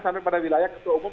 sampai pada wilayah ketua umum